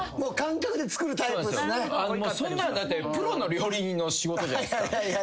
そんなのプロの料理人の仕事じゃないっすか。